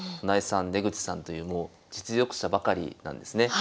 船江さん出口さんという実力者ばかりなんですね。